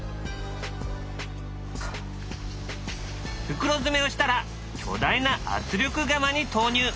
袋詰めをしたら巨大な圧力釜に投入。